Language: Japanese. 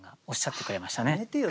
やめてよ。